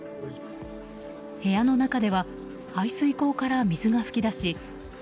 部屋の中では排水溝から水が噴き出し